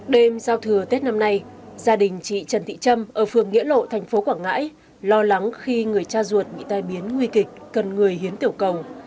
đêm giao thừa tết năm nay gia đình chị trần thị trâm ở phường nghĩa lộ thành phố quảng ngãi lo lắng khi người cha ruột bị tai biến nguy kịch cần người hiến tiểu cầu